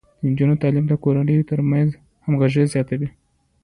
د نجونو تعليم د کورنيو ترمنځ همغږي زياتوي.